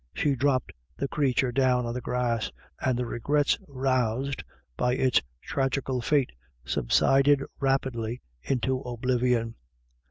She dropped the creature down on the grass, and the regrets roused by its tragical fate subsided rapidly into oblivion.